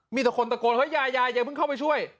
มีแต่คนตะโกนเฮ้ยยายยายเพิ่งเข้าไปช่วย